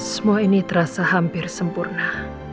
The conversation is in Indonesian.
semua ini terasa hampir sempurna